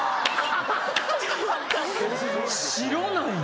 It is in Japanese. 白なんや？